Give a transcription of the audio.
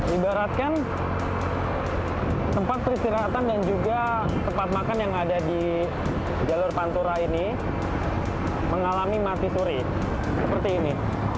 ibaratkan tempat peristirahatan dan juga tempat makan yang ada di jalur pantura ini mengalami mati suri seperti ini